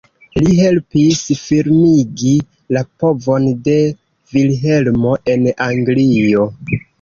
Li helpis firmigi la povon de Vilhelmo en Anglio.